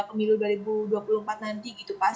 kemilu dua ribu dua puluh empat nanti gitu pak